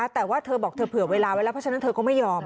แต่ว่าเธอบอกเธอเผื่อเวลาไว้แล้วเพราะฉะนั้นเธอก็ไม่ยอม